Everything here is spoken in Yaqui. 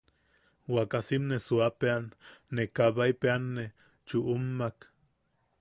Wakasim ne suuapeʼean, ne kabaipeʼeanne chuʼummak.